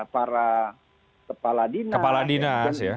para kepala dinas